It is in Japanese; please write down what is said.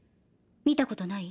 見たことない？